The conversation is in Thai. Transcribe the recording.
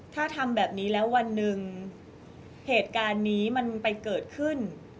ถ้าทำแบบนี้แล้ววันหนึ่งเหตุการณ์นี้มันไปเกิดขึ้น